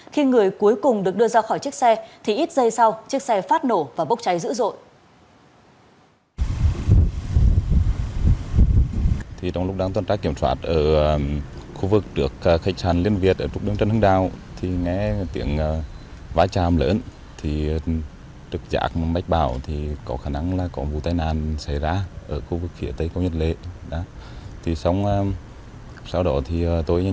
khi người cuối cùng được đưa ra khỏi chiếc xe thì ít giây sau chiếc xe phát nổ và bốc cháy dữ dội